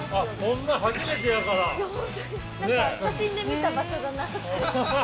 なんか、写真で見た場所だなって。